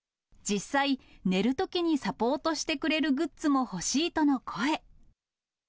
実際、寝るときにサポートしてくれるグッズも欲しいとの声。